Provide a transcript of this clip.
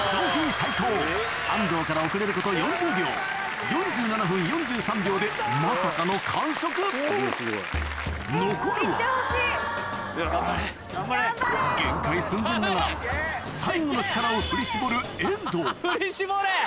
サイトウ安藤から遅れること４０秒４７分４３秒でまさかの完食残るは限界寸前だが最後の力を振り絞る遠藤振り絞れ！へぇ！